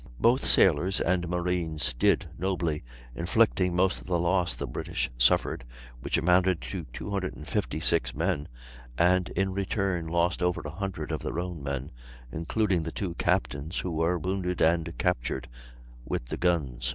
Both sailors and marines did nobly, inflicting most of the loss the British suffered, which amounted to 256 men, and in return lost over a hundred of their own men, including the two captains, who were wounded and captured, with the guns.